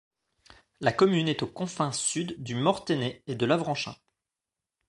La commune est aux confins sud du Mortainais et de l'Avranchin.